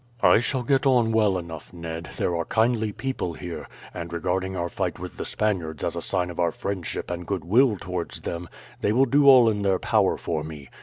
"I shall get on well enough, Ned. They are kindly people here; and regarding our fight with the Spaniards as a sign of our friendship and goodwill towards them, they will do all in their power for me."